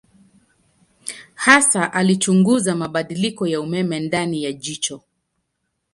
Hasa alichunguza mabadiliko ya umeme ndani ya jicho.